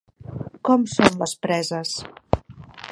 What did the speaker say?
Com són les preses?